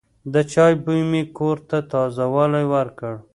د چای بوی مې کور ته تازه والی ورکړ.